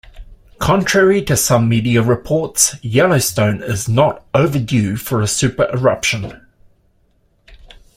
Contrary to some media reports, Yellowstone is not 'overdue' for a supereruption.